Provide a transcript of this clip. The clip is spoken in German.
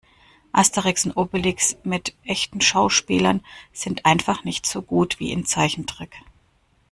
Asterix und Obelix mit echten Schauspielern sind einfach nicht so gut wie in Zeichentrick.